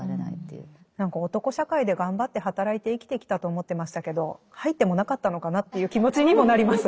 何か男社会で頑張って働いて生きてきたと思ってましたけど入ってもなかったのかなという気持ちにもなります。